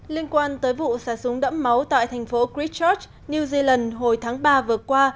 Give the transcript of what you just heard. liên quan tới vụ xả súng đẫm máu tại thành phố christchez new zealand hồi tháng ba vừa qua